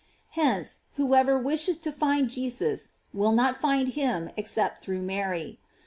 Hence, whoever wishes to find Jesus, will not find him except through Mary.